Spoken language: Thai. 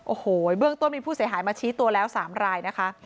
โอ้โหเบื้องต้นมีผู้เสียหายมาชี้ตัวแล้ว๓รายนะคะ